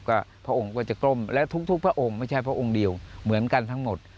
ก็พระองค์ก็จะกล้มและทุกพระองค์ไม่ใช่พระองค์เดียวเหมือนกันทั้งหมด